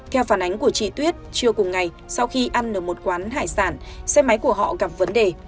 theo phản ánh của chị tuyết trưa cùng ngày sau khi ăn ở một quán hải sản xe máy của họ gặp vấn đề